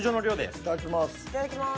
いただきます。